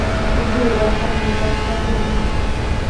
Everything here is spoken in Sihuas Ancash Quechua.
Tiyuuqa hatun kachallwayuqmi.